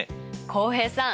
浩平さん